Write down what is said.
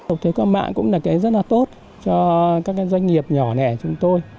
nộp thuế qua mạng cũng là cái rất là tốt cho các doanh nghiệp nhỏ này của chúng tôi